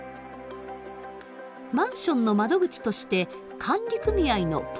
マンションの窓口として管理組合のポストを設置します。